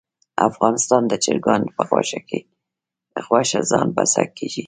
افغانستان د چرګانو په غوښه ځان بسیا کیږي